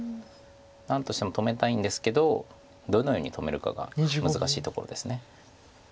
何としても止めたいんですけどどのように止めるかが難しいところです。